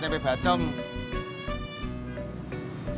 tempe bacem itu tempe mendoan